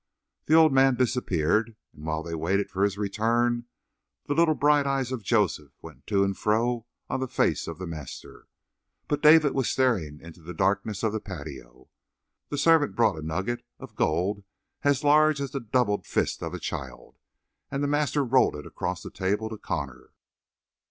The old man disappeared, and while they waited for his return the little bright eyes of Joseph went to and fro on the face of the master; but David was staring into the darkness of the patio. The servant brought a nugget of gold, as large as the doubled fist of a child, and the master rolled it across the table to Connor.